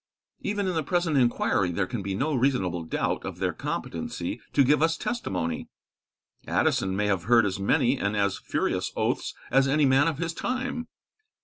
Even in the present inquiry there can be no reasonable doubt of their competency to give us testimony. Addison may have heard as many and as furious oaths as any man of his time.